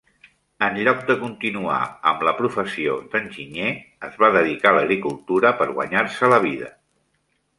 En lloc de continuar amb la professió d'enginyer, es va dedicar a l'agricultura per guanyar-se la vida.